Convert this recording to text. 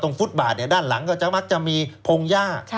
ตรงฟุตบาร์เนี่ยด้านหลังก็จะมักจะมีโพงหญ้า